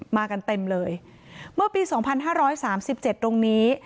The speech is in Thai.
มากันเต็มเลยเมื่อปี๒๕๓๗ตรงนี้